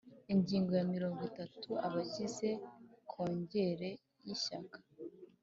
Ingingo ya mirongo itatu Abagize Kongere y Ishyaka